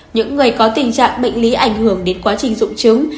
những người có tình trạng bệnh lý ảnh hưởng đến quá trình dụng chứng